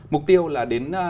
mục tiêu là đến